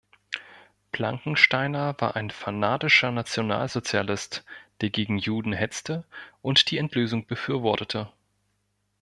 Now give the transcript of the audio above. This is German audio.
Plankensteiner war ein fanatischer Nationalsozialist, der gegen Juden hetzte und die Endlösung befürwortete.